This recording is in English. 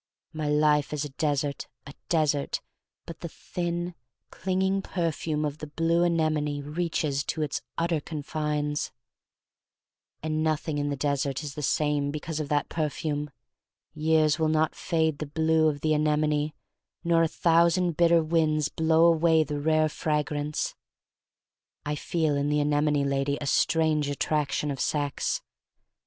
My life is a desert — a desert, but the thin, clinging perfume of the blue anem one reaches to its utter confines. And 1 82 THE STORY OF MARY MAC LANE nothing in the desert is the same be cause of that perfume. Years will not fade the blue of the anemone, nor a thousand bitter winds blow away the rare fragrance. I feel in the anemone lady a strange attraction of sex.